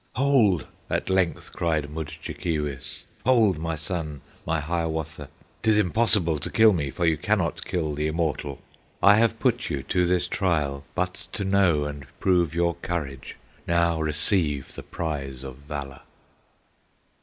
"Hold!" at length cried Mudjekeewis, "Hold, my son, my Hiawatha! 'T is impossible to kill me, For you cannot kill the immortal I have put you to this trial, But to know and prove your courage; Now receive the prize of valor!